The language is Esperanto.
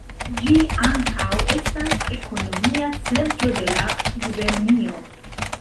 Ĝi ankaŭ estas ekonomia centro de la gubernio.